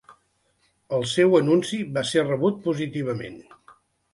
El seu anunci va ser rebut positivament.